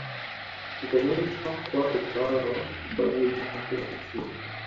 kukomeshwa kwa utawala wa kibaguzi Afrika kusini